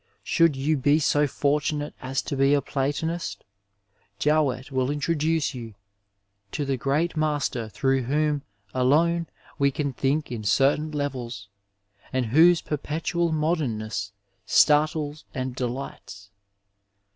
Should you be so fortunate as to be bom a Platonist, Jowett will introduce you to the great master through whom alone we can think in certain levels, and whose perpetual modemness starties and delights.